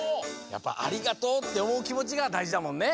やっぱありがとうっておもうきもちがだいじだもんね。